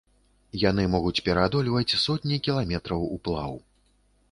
Яны могуць пераадольваць сотні кіламетраў уплаў.